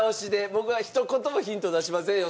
僕はひと言もヒント出しませんよ。